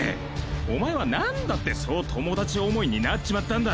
おまえは何だってそう友達思いになっちまったんだ。